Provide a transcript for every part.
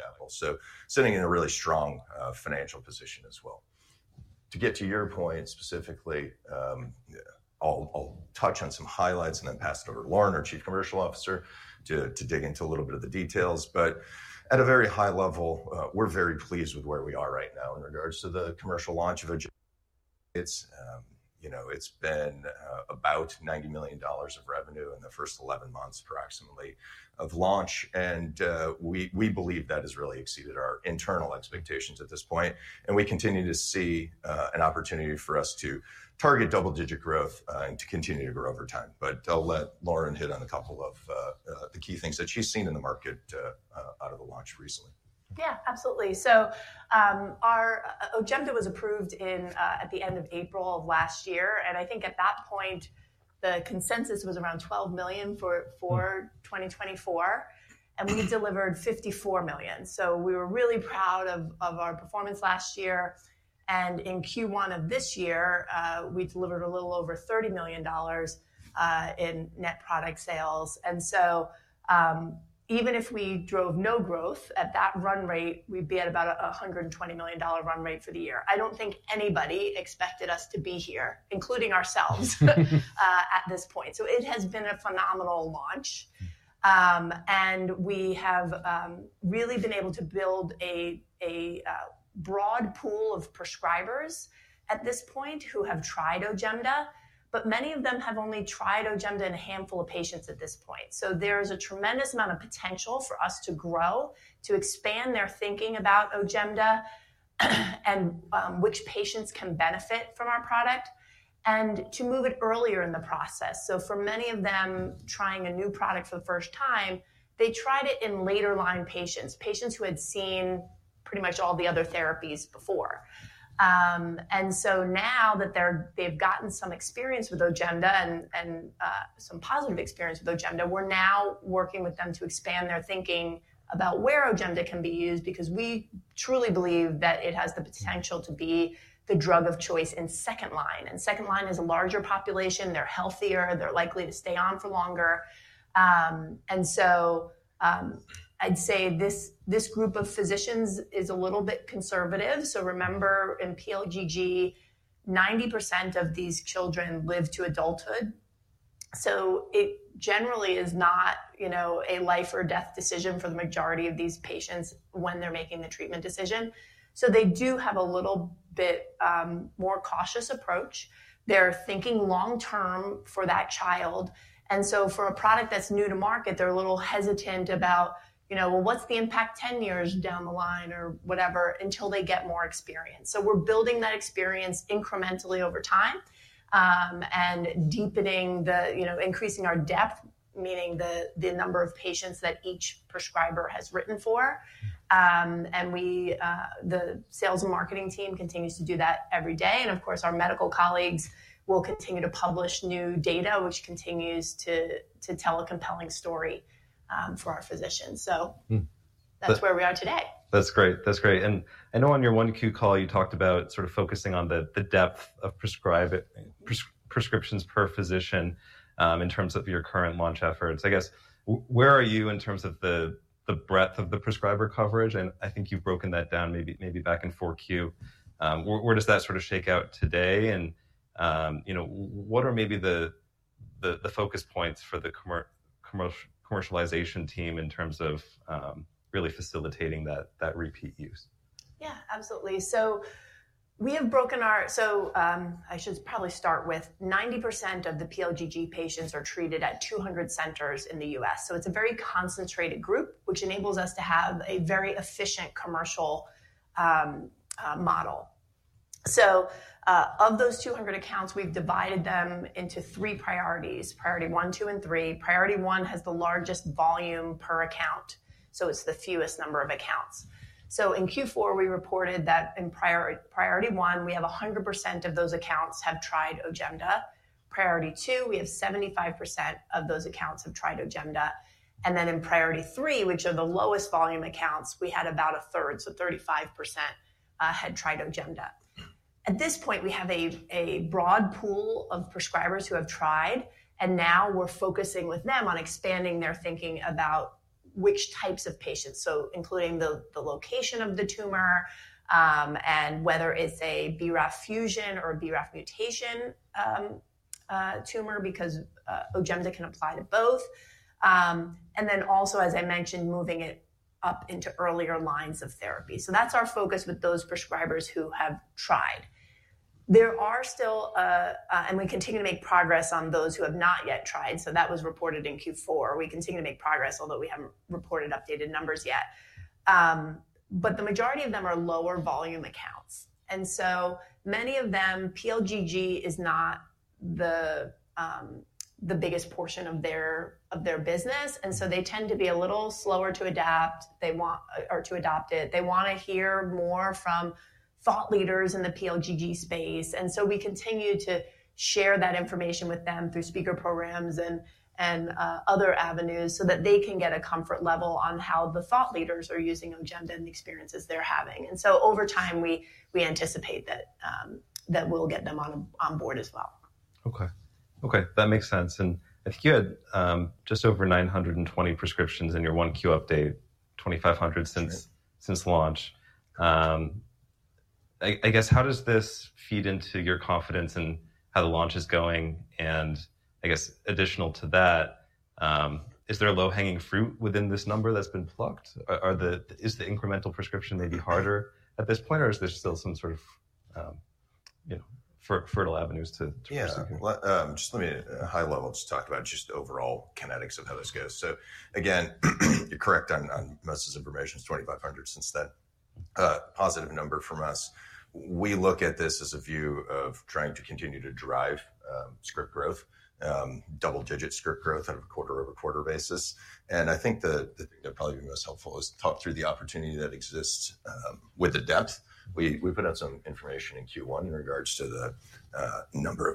Equity capital. Sitting in a really strong financial position as well. To get to your point specifically, I'll touch on some highlights and then pass it over to Lauren, our Chief Commercial Officer, to dig into a little bit of the details. At a very high level, we're very pleased with where we are right now in regards to the commercial launch of OJEMDA. It's been about $90 million of revenue in the first 11 months, approximately, of launch. We believe that has really exceeded our internal expectations at this point. We continue to see an opportunity for us to target double-digit growth and to continue to grow over time. I'll let Lauren hit on a couple of the key things that she's seen in the market out of the launch recently. Yeah, absolutely. Our OJEMDA was approved at the end of April of last year. I think at that point, the consensus was around $12 million for 2024. We delivered $54 million. We were really proud of our performance last year. In Q1 of this year, we delivered a little over $30 million in net product sales. Even if we drove no growth at that run rate, we'd be at about a $120 million run rate for the year. I don't think anybody expected us to be here, including ourselves, at this point. It has been a phenomenal launch. We have really been able to build a broad pool of prescribers at this point who have tried OJEMDA. Many of them have only tried OJEMDA in a handful of patients at this point. There is a tremendous amount of potential for us to grow, to expand their thinking about OJEMDA and which patients can benefit from our product, and to move it earlier in the process. For many of them trying a new product for the first time, they tried it in later-line patients, patients who had seen pretty much all the other therapies before. Now that they've gotten some experience with OJEMDA and some positive experience with OJEMDA, we're now working with them to expand their thinking about where OJEMDA can be used because we truly believe that it has the potential to be the drug of choice in second line. Second line is a larger population. They're healthier. They're likely to stay on for longer. I'd say this group of physicians is a little bit conservative. Remember, in pLGG, 90% of these children live to adulthood. It generally is not a life-or-death decision for the majority of these patients when they're making the treatment decision. They do have a little bit more cautious approach. They're thinking long-term for that child. For a product that's new to market, they're a little hesitant about, well, what's the impact 10 years down the line or whatever until they get more experience. We're building that experience incrementally over time and increasing our depth, meaning the number of patients that each prescriber has written for. The sales and marketing team continues to do that every day. Of course, our medical colleagues will continue to publish new data, which continues to tell a compelling story for our physicians. That's where we are today. That's great. That's great. I know on your 1Q call, you talked about sort of focusing on the depth of prescriptions per physician in terms of your current launch efforts. I guess, where are you in terms of the breadth of the prescriber coverage? I think you've broken that down maybe back in 4Q. Where does that sort of shake out today? What are maybe the focus points for the commercialization team in terms of really facilitating that repeat use? Yeah, absolutely. We have broken our—I should probably start with 90% of the pLGG patients are treated at 200 centers in the U.S. It is a very concentrated group, which enables us to have a very efficient commercial model. Of those 200 accounts, we have divided them into three priorities: priority one, two, and three. Priority one has the largest volume per account. It is the fewest number of accounts. In Q4, we reported that in priority one, we have 100% of those accounts have tried OJEMDA. Priority two, we have 75% of those accounts have tried OJEMDA. In priority three, which are the lowest volume accounts, we had about a third, so 35% had tried OJEMDA. At this point, we have a broad pool of prescribers who have tried. And now, we are focusing with them on expanding their thinking about which types of patients, including the location of the tumor and whether it is a BRAF fusion or BRAF mutation tumor because OJEMDA can apply to both. As I mentioned, we are also moving it up into earlier lines of therapy. That is our focus with those prescribers who have tried. There are still, and we continue to make progress on those who have not yet tried. That was reported in Q4. We continue to make progress, although we have not reported updated numbers yet. The majority of them are lower volume accounts. Many of them, pLGG is not the biggest portion of their business. They tend to be a little slower to adopt it. They want to hear more from thought leaders in the pLGG space. We continue to share that information with them through speaker programs and other avenues so that they can get a comfort level on how the thought leaders are using OJEMDA and the experiences they're having. Over time, we anticipate that we'll get them on board as well. Okay. Okay. That makes sense. I think you had just over 920 prescriptions in your 1Q update, 2,500 since launch. I guess, how does this feed into your confidence in how the launch is going? I guess, additional to that, is there low-hanging fruit within this number that's been plucked? Is the incremental prescription maybe harder at this point, or is there still some sort of fertile avenues to proceed? Yeah. Just let me high level just talk about just overall kinetics of how this goes. Again, you're correct on most of this information is 2,500 since that positive number from us. We look at this as a view of trying to continue to drive script growth, double-digit script growth at a quarter-over-quarter basis. I think the thing that'd probably be most helpful is to talk through the opportunity that exists with the depth. We put out some information in Q1 in regards to the number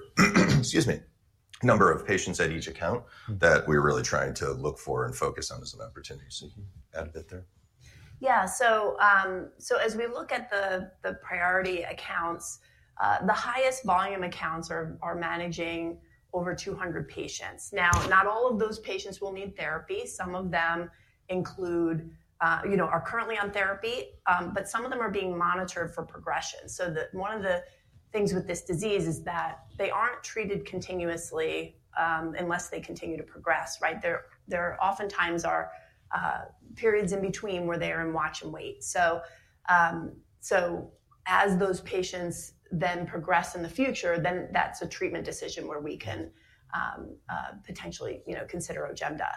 of patients at each account that we're really trying to look for and focus on as an opportunity. You can add a bit there. Yeah. As we look at the priority accounts, the highest volume accounts are managing over 200 patients. Now, not all of those patients will need therapy. Some of them are currently on therapy, but some of them are being monitored for progression. One of the things with this disease is that they are not treated continuously unless they continue to progress, right? There oftentimes are periods in between where they are in watch and wait. As those patients then progress in the future, that is a treatment decision where we can potentially consider OJEMDA.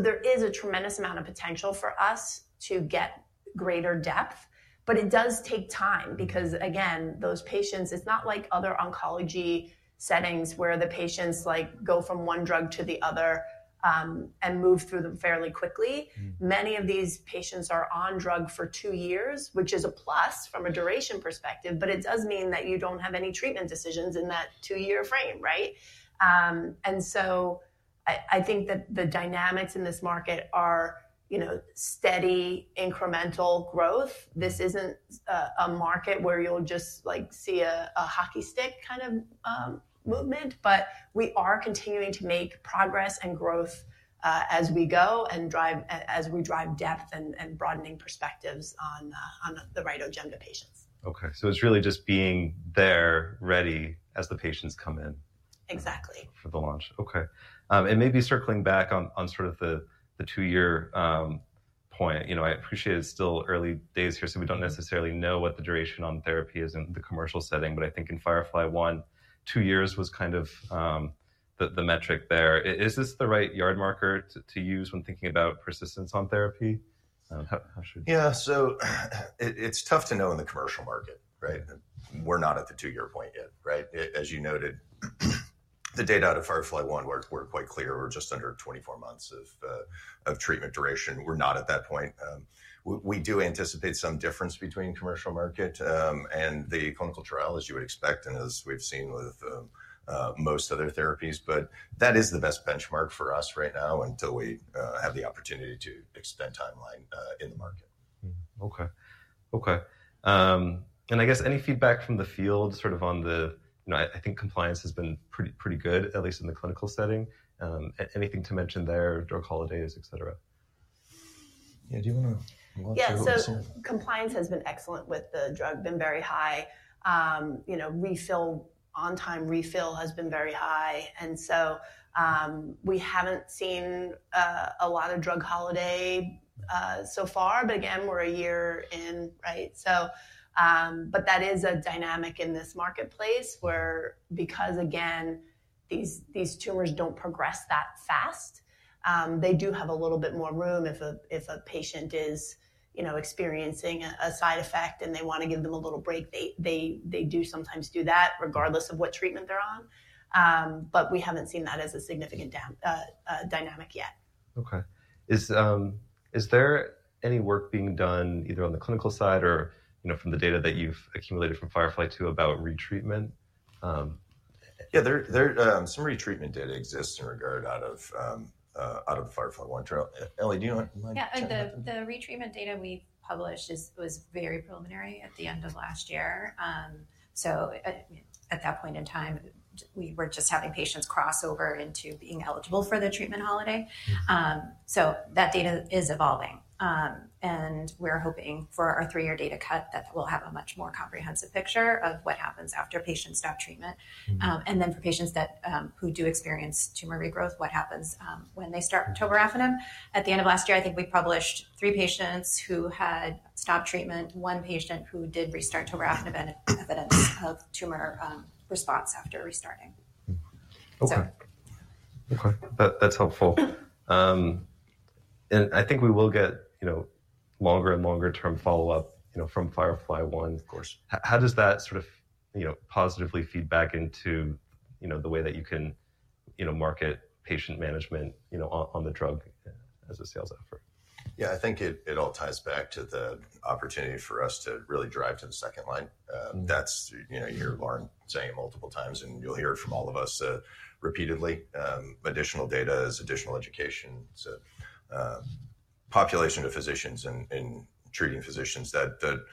There is a tremendous amount of potential for us to get greater depth. It does take time because, again, those patients, it is not like other oncology settings where the patients go from one drug to the other and move through them fairly quickly. Many of these patients are on drug for two years, which is a plus from a duration perspective. It does mean that you don't have any treatment decisions in that two-year frame, right? I think that the dynamics in this market are steady, incremental growth. This isn't a market where you'll just see a hockey stick kind of movement. We are continuing to make progress and growth as we go and as we drive depth and broadening perspectives on the right OJEMDA patients. Okay. So it's really just being there ready as the patients come in. Exactly. For the launch. Okay. And maybe circling back on sort of the two-year point, I appreciate it's still early days here, so we don't necessarily know what the duration on therapy is in the commercial setting. But I think in FIREFLY-1, two years was kind of the metric there. Is this the right yard marker to use when thinking about persistence on therapy? How should we? Yeah. So it's tough to know in the commercial market. Right? We're not at the two-year point yet. Right? As you noted, the data out of FIREFLY-1 were quite clear. We're just under 24 months of treatment duration. We're not at that point. We do anticipate some difference between commercial market and the clinical trial, as you would expect, and as we've seen with most other therapies. That is the best benchmark for us right now until we have the opportunity to extend timeline in the market. Okay. Okay. I guess, any feedback from the field sort of on the, I think compliance has been pretty good, at least in the clinical setting. Anything to mention there, drug holidays, et cetera? Yeah. Do you want to launch? Yeah. Compliance has been excellent with the drug. Been very high. On-time refill has been very high. We have not seen a lot of drug holiday so far. Again, we are a year in. Right? That is a dynamic in this marketplace where, because these tumors do not progress that fast, they do have a little bit more room if a patient is experiencing a side effect and they want to give them a little break. They do sometimes do that regardless of what treatment they are on. We have not seen that as a significant dynamic yet. Okay. Is there any work being done either on the clinical side or from the data that you've accumulated from FIREFLY-2 about retreatment? Yeah. Some retreatment data exists in regard out of FIREFLY-1. Elly, do you want to? Yeah. The retreatment data we published was very preliminary at the end of last year. At that point in time, we were just having patients cross over into being eligible for the treatment holiday. That data is evolving. We are hoping for our three-year data cut that we will have a much more comprehensive picture of what happens after patients stop treatment. For patients who do experience tumor regrowth, what happens when they start tovorafenib. At the end of last year, I think we published three patients who had stopped treatment, one patient who did restart tovorafenib, and evidence of tumor response after restarting. Okay. Okay. That's helpful. I think we will get longer and longer-term follow-up from FIREFLY-1. Of course. How does that sort of positively feed back into the way that you can market patient management on the drug as a sales effort? Yeah. I think it all ties back to the opportunity for us to really drive to the second line. That's you, Lauren, saying it multiple times, and you'll hear it from all of us repeatedly. Additional data is additional education. So population of physicians and treating physicians that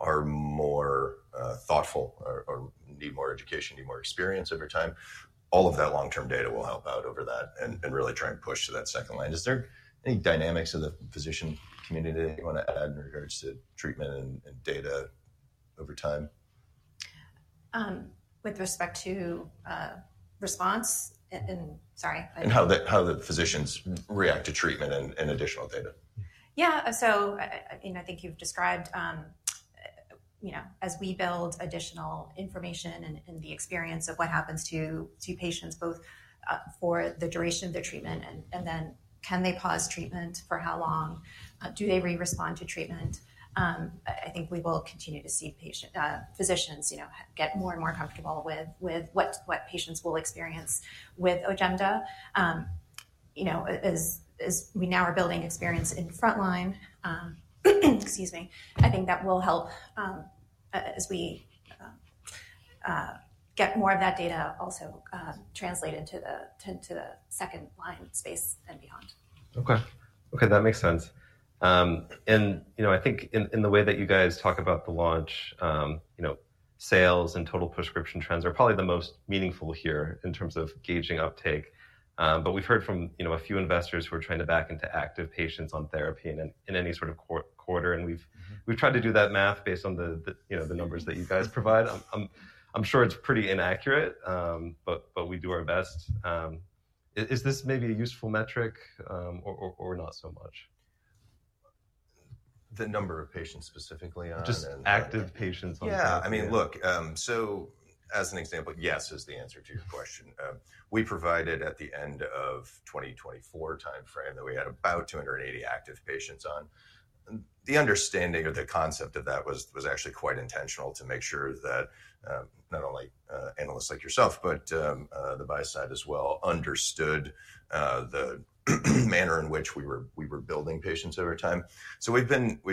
are more thoughtful or need more education, need more experience over time, all of that long-term data will help out over that and really try and push to that second line. Is there any dynamics of the physician community that you want to add in regards to treatment and data over time? With respect to response, and sorry. How the physicians react to treatment and additional data. Yeah. I think you've described as we build additional information and the experience of what happens to patients, both for the duration of their treatment and then can they pause treatment, for how long, do they re-respond to treatment. I think we will continue to see physicians get more and more comfortable with what patients will experience with OJEMDA. As we now are building experience in frontline, excuse me, I think that will help as we get more of that data also translated to the second line space and beyond. Okay. Okay. That makes sense. I think in the way that you guys talk about the launch, sales and total prescription trends are probably the most meaningful here in terms of gauging uptake. We've heard from a few investors who are trying to back into active patients on therapy in any sort of quarter. We've tried to do that math based on the numbers that you guys provide. I'm sure it's pretty inaccurate, but we do our best. Is this maybe a useful metric or not so much? The number of patients specifically on? Just active patients on therapy. Yeah. I mean, look, as an example, yes is the answer to your question. We provided at the end of 2024 timeframe that we had about 280 active patients on. The understanding or the concept of that was actually quite intentional to make sure that not only analysts like yourself, but the buy side as well understood the manner in which we were building patients over time. We have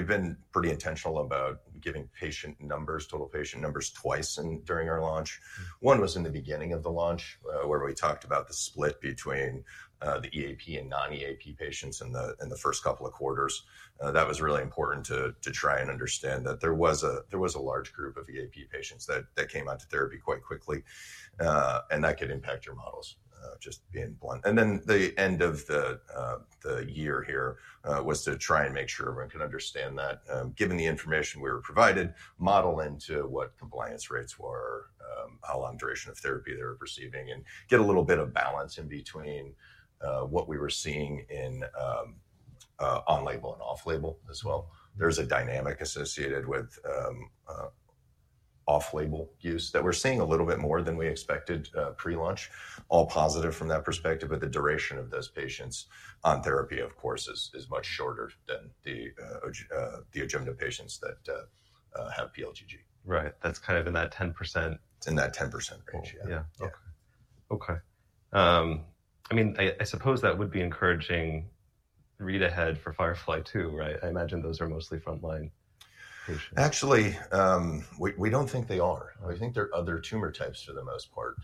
been pretty intentional about giving patient numbers, total patient numbers twice during our launch. One was in the beginning of the launch where we talked about the split between the EAP and non-EAP patients in the first couple of quarters. That was really important to try and understand that there was a large group of EAP patients that came onto therapy quite quickly, and that could impact your models just being blunt. The end of the year here was to try and make sure everyone could understand that given the information we were provided, model into what compliance rates were, how long duration of therapy they were perceiving, and get a little bit of balance in between what we were seeing on label and off label as well. There is a dynamic associated with off label use that we are seeing a little bit more than we expected pre-launch, all positive from that perspective. The duration of those patients on therapy, of course, is much shorter than the OJEMDA patients that have pLGG. Right. That's kind of in that 10%. In that 10% range. Yeah. Yeah. Okay. Okay. I mean, I suppose that would be encouraging read ahead for FIREFLY-2, right? I imagine those are mostly frontline patients. Actually, we don't think they are. We think there are other tumor types for the most part.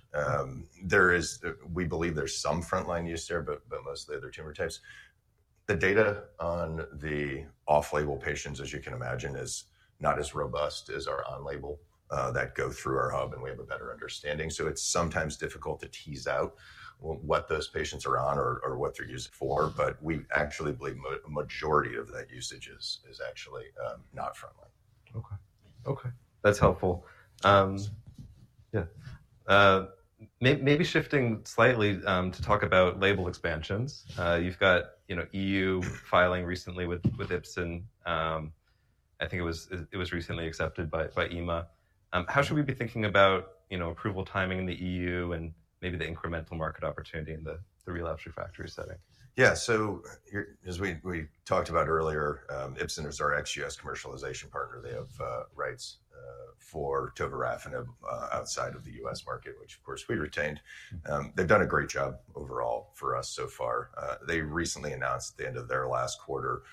We believe there's some frontline use there, but mostly other tumor types. The data on the off-label patients, as you can imagine, is not as robust as our on-label that go through our hub, and we have a better understanding. It is sometimes difficult to tease out what those patients are on or what they're used for. We actually believe a majority of that usage is actually not frontline. Okay. Okay. That's helpful. Yeah. Maybe shifting slightly to talk about label expansions. You've got EU filing recently with Ipsen. I think it was recently accepted by EMA. How should we be thinking about approval timing in the EU and maybe the incremental market opportunity in the relapse refractory setting? Yeah. As we talked about earlier, Ipsen is our ex-U.S. commercialization partner. They have rights for tovorafenib outside of the U.S. market, which, of course, we retained. They've done a great job overall for us so far. They recently announced at the end of their last quarter,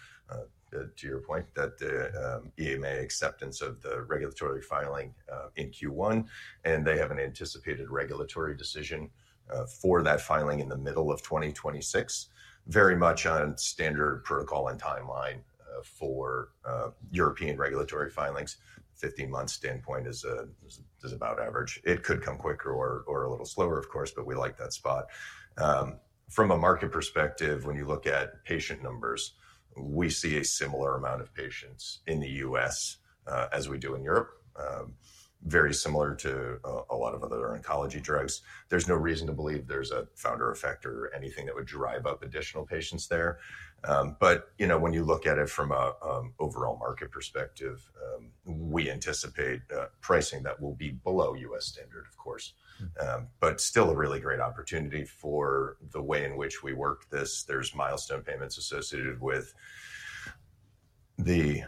to your point, that the EMA acceptance of the regulatory filing in Q1. They have an anticipated regulatory decision for that filing in the middle of 2026, very much on standard protocol and timeline for European regulatory filings. 15-month standpoint is about average. It could come quicker or a little slower, of course, but we like that spot. From a market perspective, when you look at patient numbers, we see a similar amount of patients in the U.S. as we do in Europe, very similar to a lot of other oncology drugs. There's no reason to believe there's a founder effect or anything that would drive up additional patients there. When you look at it from an overall market perspective, we anticipate pricing that will be below U.S. standard, of course. Still a really great opportunity for the way in which we work this. There's milestone payments associated with the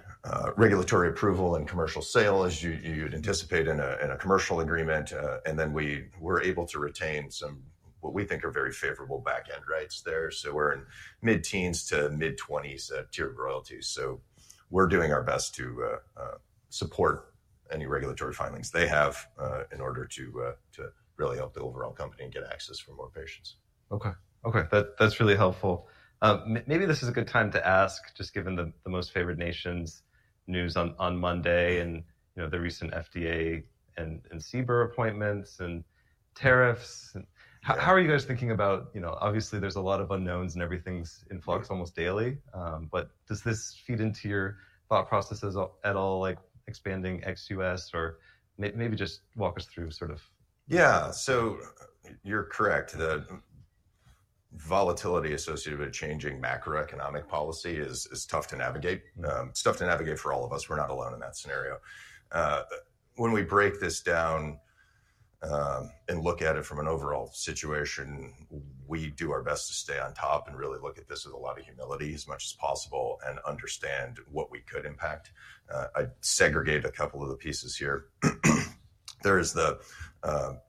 regulatory approval and commercial sale, as you'd anticipate in a commercial agreement. We were able to retain some what we think are very favorable back-end rights there. We're in mid-teens to mid-20s tier of royalties. We're doing our best to support any regulatory findings they have in order to really help the overall company and get access for more patients. Okay. Okay. That's really helpful. Maybe this is a good time to ask, just given the most favored nations news on Monday and the recent FDA and CBER appointments and tariffs. How are you guys thinking about obviously, there's a lot of unknowns and everything's in flux almost daily. Does this feed into your thought processes at all, like expanding ex-U.S.? Or maybe just walk us through sort of. Yeah. So you're correct. The volatility associated with changing macroeconomic policy is tough to navigate. It's tough to navigate for all of us. We're not alone in that scenario. When we break this down and look at it from an overall situation, we do our best to stay on top and really look at this with a lot of humility as much as possible and understand what we could impact. I segregated a couple of the pieces here. There is the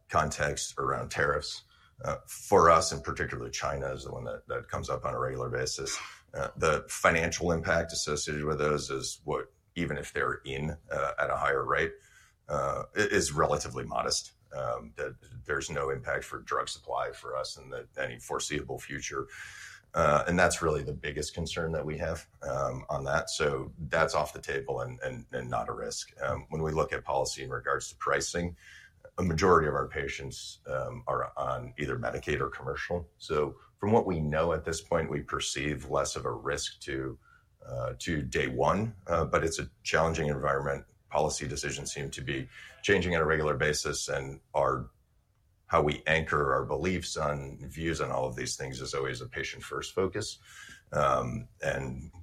context around tariffs. For us, in particular, China is the one that comes up on a regular basis. The financial impact associated with those is what, even if they're in at a higher rate, is relatively modest. There's no impact for drug supply for us in any foreseeable future. That's really the biggest concern that we have on that. That's off the table and not a risk. When we look at policy in regards to pricing, a majority of our patients are on either Medicaid or commercial. From what we know at this point, we perceive less of a risk to Day One. It is a challenging environment. Policy decisions seem to be changing on a regular basis. How we anchor our beliefs on views on all of these things is always a patient-first focus.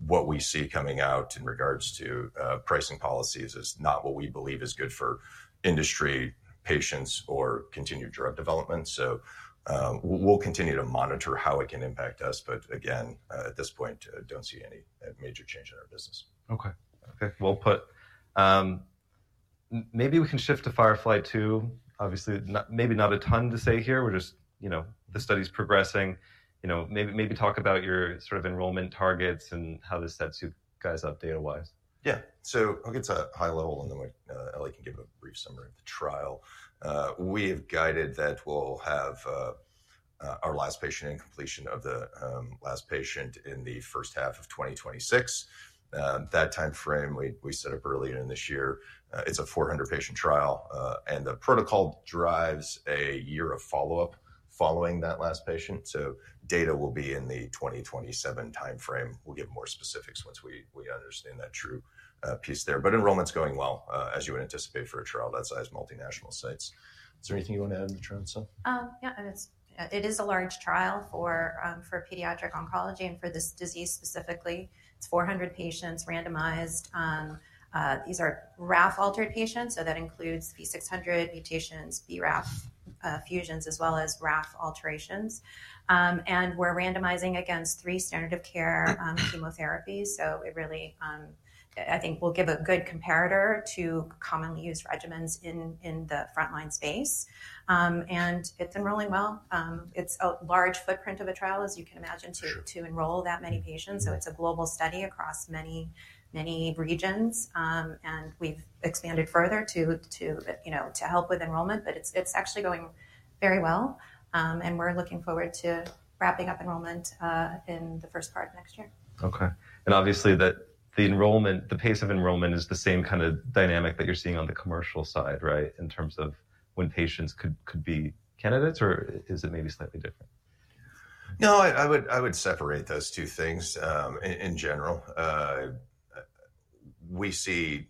What we see coming out in regards to pricing policies is not what we believe is good for industry, patients, or continued drug development. We will continue to monitor how it can impact us. Again, at this point, I do not see any major change in our business. Okay. Okay. Well put. Maybe we can shift to FIREFLY-2. Obviously, maybe not a ton to say here. We're just the study's progressing. Maybe talk about your sort of enrollment targets and how this sets you guys up data-wise. Yeah. I'll get to a high level, and then Elly can give a brief summary of the trial. We have guided that we'll have our last patient in, completion of the last patient in the first half of 2026. That timeframe, we set up earlier in this year. It's a 400-patient trial. The protocol drives a year of follow-up following that last patient. Data will be in the 2027 timeframe. We'll give more specifics once we understand that true piece there. Enrollment's going well, as you would anticipate for a trial that size, multinational sites. Is there anything you want to add on the trial itself? Yeah. It is a large trial for pediatric oncology and for this disease specifically. It is 400 patients randomized. These are RAF-altered patients. That includes V600 mutations, BRAF fusions, as well as RAF alterations. We are randomizing against three standard-of-care chemotherapies. It really, I think, will give a good comparator to commonly used regimens in the frontline space. It is enrolling well. It is a large footprint of a trial, as you can imagine, to enroll that many patients. It is a global study across many regions. We have expanded further to help with enrollment. It is actually going very well. We are looking forward to wrapping up enrollment in the first part of next year. Okay. Obviously, the pace of enrollment is the same kind of dynamic that you're seeing on the commercial side, right, in terms of when patients could be candidates, or is it maybe slightly different? No. I would separate those two things in general. We see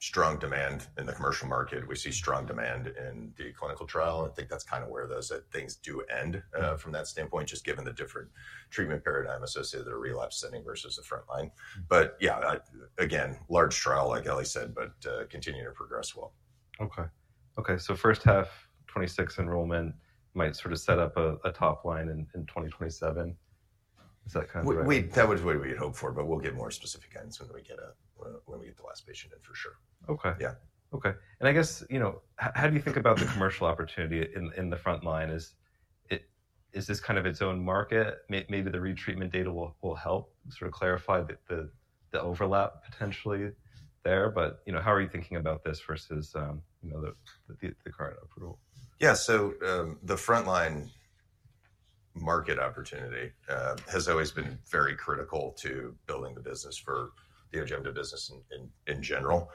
strong demand in the commercial market. We see strong demand in the clinical trial. I think that's kind of where those things do end from that standpoint, just given the different treatment paradigm associated with a relapse setting versus a frontline. Yeah, again, large trial, like Elly said, but continuing to progress well. Okay. Okay. So first half, 2026 enrollment might sort of set up a top line in 2027. Is that kind of right? That was what we had hoped for. We'll get more specific guidance when we get the last patient in for sure. Okay. Yeah. Okay. I guess, how do you think about the commercial opportunity in the frontline? Is this kind of its own market? Maybe the retreatment data will help sort of clarify the overlap potentially there. How are you thinking about this versus the current approval? Yeah. The frontline market opportunity has always been very critical to building the business for the OJEMDA business in general.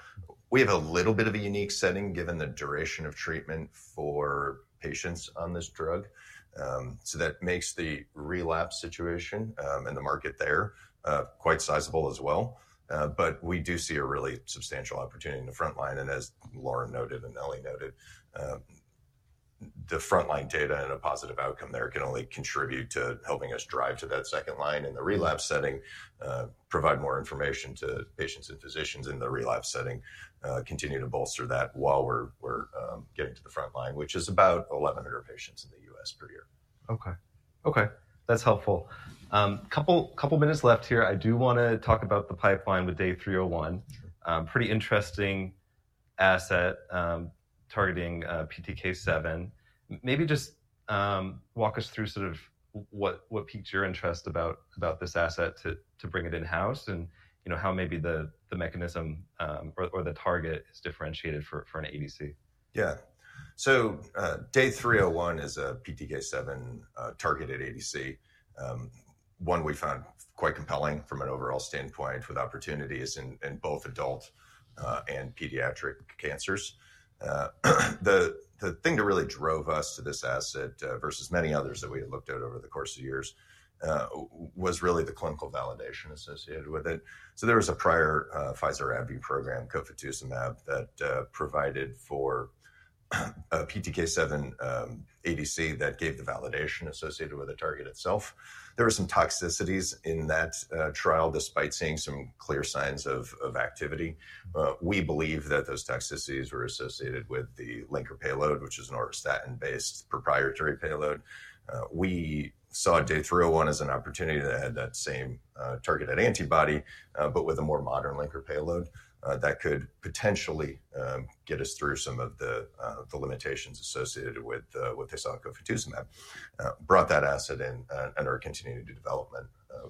We have a little bit of a unique setting given the duration of treatment for patients on this drug. That makes the relapse situation and the market there quite sizable as well. We do see a really substantial opportunity in the frontline. As Lauren noted and Elly noted, the frontline data and a positive outcome there can only contribute to helping us drive to that second line in the relapse setting, provide more information to patients and physicians in the relapse setting, continue to bolster that while we're getting to the frontline, which is about 1,100 patients in the U.S. per year. Okay. Okay. That's helpful. A couple of minutes left here. I do want to talk about the pipeline with DAY301. Pretty interesting asset targeting PTK7. Maybe just walk us through sort of what piqued your interest about this asset to bring it in-house and how maybe the mechanism or the target is differentiated for an ADC. Yeah. Day301 is a PTK7-targeted ADC, one we found quite compelling from an overall standpoint with opportunities in both adult and pediatric cancers. The thing that really drove us to this asset versus many others that we had looked at over the course of years was really the clinical validation associated with it. There was a prior Pfizer AbbVie program, cofetuzumab, that provided for a PTK7 ADC that gave the validation associated with the target itself. There were some toxicities in that trial despite seeing some clear signs of activity. We believe that those toxicities were associated with the linker payload, which is an auristatin-based proprietary payload. We saw Day 301 as an opportunity that had that same targeted antibody, but with a more modern linker payload that could potentially get us through some of the limitations associated with the cell Cofetuzumab. Brought that asset in under continued development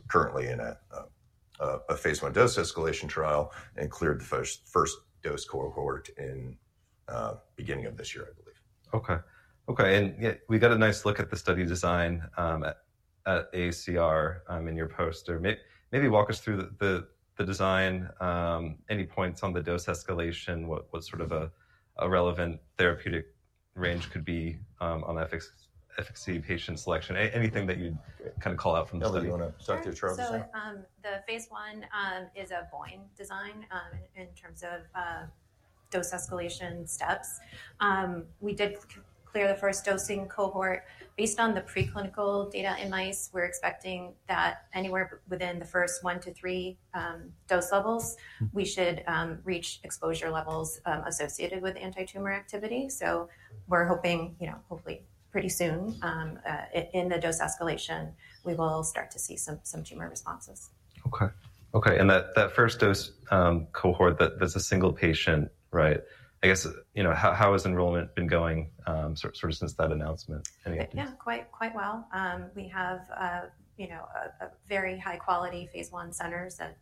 currently in a phase one dose escalation trial and cleared the first dose cohort in the beginning of this year, I believe. Okay. Okay. We got a nice look at the study design at ACR in your poster. Maybe walk us through the design, any points on the dose escalation, what sort of a relevant therapeutic range could be on efficacy, patient selection, anything that you'd kind of call out from the study. Elly, do you want to start the trial design? The phase one is a Bayesian design in terms of dose escalation steps. We did clear the first dosing cohort. Based on the preclinical data in mice, we're expecting that anywhere within the first one to three dose levels, we should reach exposure levels associated with anti-tumor activity. We're hoping, hopefully, pretty soon in the dose escalation, we will start to see some tumor responses. Okay. Okay. And that first dose cohort, that's a single patient, right? I guess, how has enrollment been going sort of since that announcement? Yeah. Quite well. We have very high-quality phase one centers that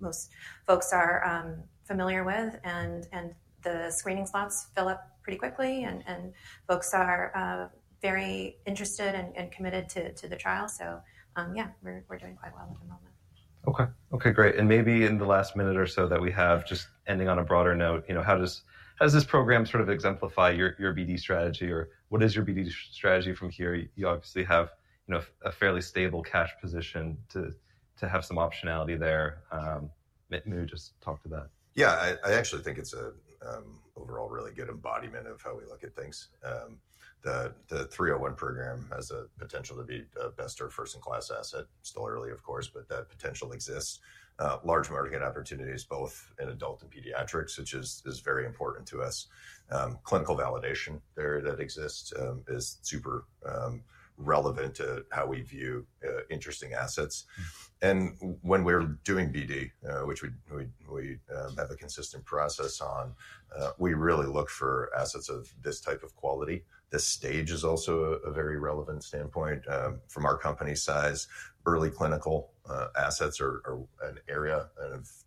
most folks are familiar with. The screening slots fill up pretty quickly. Folks are very interested and committed to the trial. Yeah, we're doing quite well at the moment. Okay. Okay. Great. Maybe in the last minute or so that we have, just ending on a broader note, how does this program sort of exemplify your BD strategy? What is your BD strategy from here? You obviously have a fairly stable cash position to have some optionality there. Maybe just talk to that. Yeah. I actually think it's an overall really good embodiment of how we look at things. The 301 program has the potential to be the best or first-in-class asset. Still early, of course, but that potential exists. Large market opportunities, both in adult and pediatrics, which is very important to us. Clinical validation there that exists is super relevant to how we view interesting assets. When we're doing BD, which we have a consistent process on, we really look for assets of this type of quality. This stage is also a very relevant standpoint from our company size. Early clinical assets are an area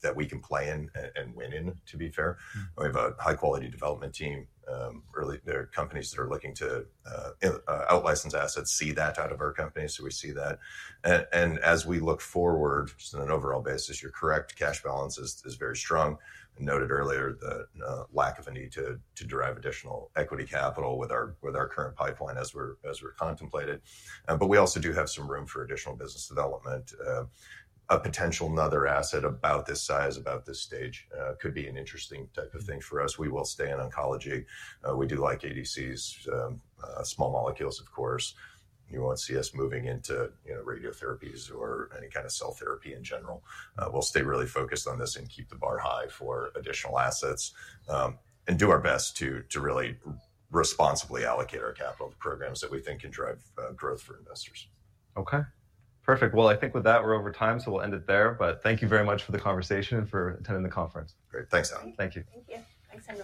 that we can play in and win in, to be fair. We have a high-quality development team. The companies that are looking to out-license assets see that out of our company. We see that. As we look forward, just on an overall basis, you're correct. Cash balance is very strong. I noted earlier the lack of a need to derive additional equity capital with our current pipeline as we're contemplating. We also do have some room for additional business development. A potential another asset about this size, about this stage, could be an interesting type of thing for us. We will stay in oncology. We do like ADCs, small molecules, of course. You won't see us moving into radiotherapies or any kind of cell therapy in general. We'll stay really focused on this and keep the bar high for additional assets and do our best to really responsibly allocate our capital to programs that we think can drive growth for investors. Okay. Perfect. I think with that, we're over time. We'll end it there. Thank you very much for the conversation and for attending the conference. Great. Thanks, Elly. Thank you. Thank you. Thanks so much.